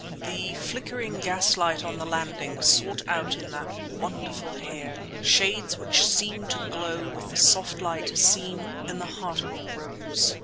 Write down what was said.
The flickering gaslight on the landing sought out in that wonderful hair shades which seemed to glow with the soft light seen in the heart of a rose.